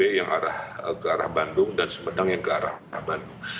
yang ke arah bandung dan sumedang yang ke arah bandung